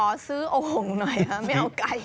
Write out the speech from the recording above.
ขอซื้อโอ่งหน่อยค่ะไม่เอาไก่